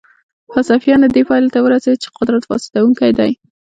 فلسفیانو دې پایلې ته ورسېدل چې قدرت فاسدونکی دی.